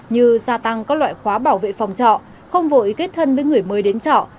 như gia tăng các loại khóa bảo vệ phòng trọ không vội kết thân với người mới đến trọ